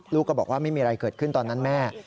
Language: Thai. ลูกก็บอกว่าไม่มีอะไรเกิดขึ้นตอนนั้นแม่